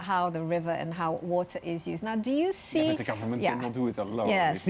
tetapi pemerintah harus sangat teratasi